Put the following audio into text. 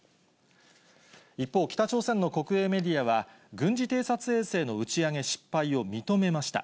一方、北朝鮮の国営メディアは、軍事偵察衛星の打ち上げ失敗を認めました。